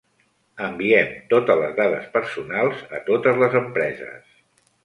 Enviem totes les dades personals a totes les empreses.